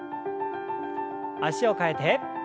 脚を替えて。